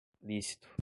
lícito